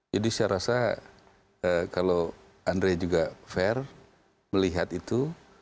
jadi saya rasa kalau andre juga fair melihat itu